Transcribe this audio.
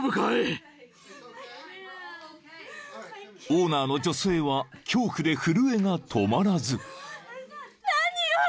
［オーナーの女性は恐怖で震えが止まらず］